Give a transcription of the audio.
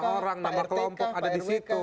nama orang nama kelompok ada di situ